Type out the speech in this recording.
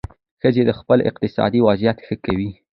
ښځې خپل اقتصادي وضعیت ښه کوي.